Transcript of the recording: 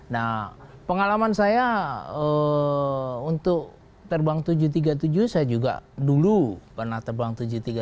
nah pengalaman saya untuk terbang tujuh ratus tiga puluh tujuh saya juga dulu pernah terbang tujuh ratus tiga puluh